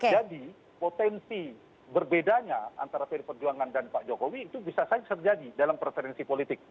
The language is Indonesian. jadi potensi berbedanya antara pdi perjuangan dan pak jokowi itu bisa saja terjadi dalam preferensi politik